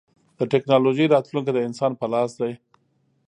د ټکنالوجۍ راتلونکی د انسان په لاس دی.